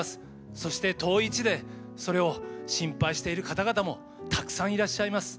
そして遠い地でそれを心配している方々もたくさんいらっしゃいます。